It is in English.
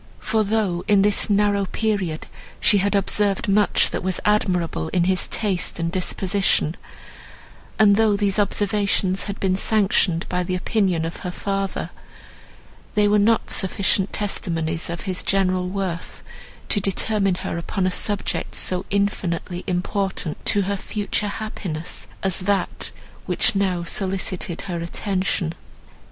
For though in this narrow period she had observed much that was admirable in his taste and disposition, and though these observations had been sanctioned by the opinion of her father, they were not sufficient testimonies of his general worth to determine her upon a subject so infinitely important to her future happiness as that, which now solicited her attention.